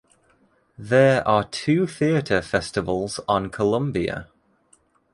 There are two theatre festivals on Columbia.